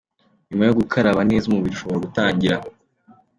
Nyuma yo gukaraba neza umubiri ushobora gutangira